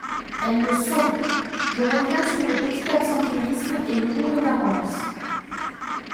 Elles le sont ! Je reviens sur le petit absentéisme et le jour de carence.